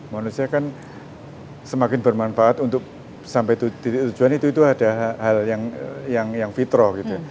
manusia kan semakin bermanfaat untuk sampai titik tujuan itu ada hal yang fitro gitu